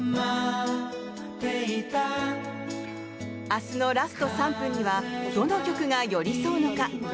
明日のラスト３分にはどの曲が寄り添うのか。